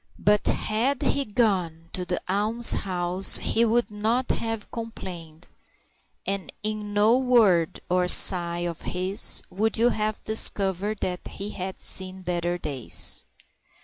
But had he gone to the almshouse he would not have complained, and in no word or sigh of his would you have discovered that he had seen better days.